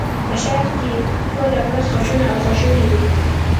په ښار کښي ټوله ورځ ږغونه او ږغونه يي.